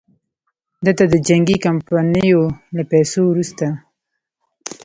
ده ته د جنګي کمپنیو له پیسو وروسته.